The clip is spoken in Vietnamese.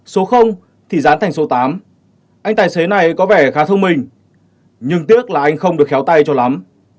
số thì dán thành số tám anh tài xế này có vẻ khá thông minh nhưng tiếc là anh không được khéo tay cho lắm